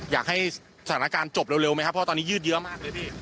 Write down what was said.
อยากให้สถานการณ์จบเร็วไหมครับเพราะตอนนี้ยืดเยอะมากเลยพี่